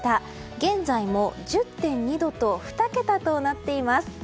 現在も１０．２度の２桁となっています。